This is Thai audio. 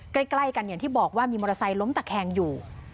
ใกล้กันอย่างที่บอกว่ามีมอเตอร์ไซค์ล้มตะแคงอยู่